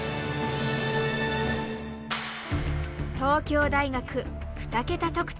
東京大学２桁得点で勝利！